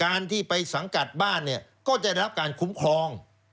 การที่ไปสังกัดบ้านเนี่ยก็จะได้รับการคุ้มครอง